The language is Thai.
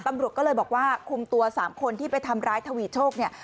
ตำรวจก็เลยบอกว่าคุมตัว๓คนที่ไปทำร้ายทวีโชคเนี่ย